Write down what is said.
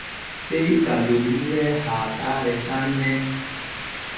Sey ka lonniree haatare sanne.